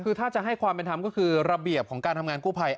คือถ้าจะให้ความเป็นธรรมก็คือระเบียบของการทำงานกู้ภัย